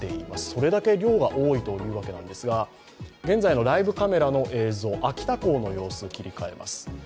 それだけ量が多いというわけなんですが現在のライブカメラの映像、秋田港の様子に切り替えます。